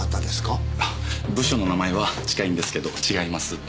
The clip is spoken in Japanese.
部署の名前は近いんですけど違います。